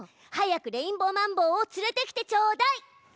早くレインボーマンボウを連れてきてちょうだい！